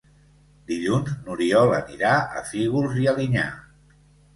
Dilluns n'Oriol anirà a Fígols i Alinyà.